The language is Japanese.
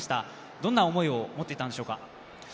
どんな思いを持っていたんでしょうか？